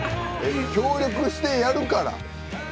「協力してやるから」？